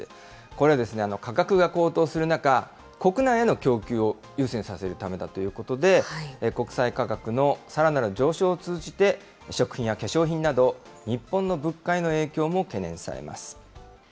これはですね、価格が高騰する中、国内への供給を優先させるためだということで、国際価格のさらなる上昇を通じて、食品や化粧品など、日本の物価への影響も懸念されます。